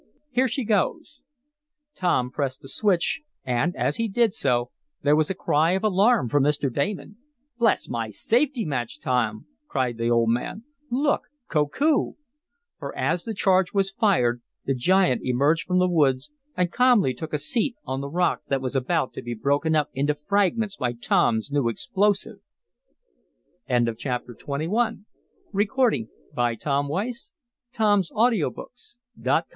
Here she goes!" Tom pressed the switch and, as he did so, there was a cry of alarm from Mr. Damon. "Bless my safety match, Tom!" cried the old man. "Look! Koku!" For, as the charge was fired, the giant emerged from the woods and calmly took a seat on the rock that was about to be broken up into fragments by Tom's new explosive. Chapter XXII The Fight "Get off there, Koku!" "Stand up!" "Run!" "Get out of the way! That's going up!"